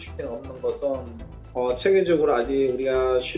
kita tidak memiliki kemungkinan seperti itu